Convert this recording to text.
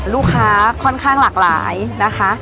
ลูกค้าค่อนข้างหลากหลายนะคะ